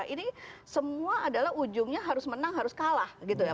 ini semua adalah ujungnya harus menang harus kalah gitu ya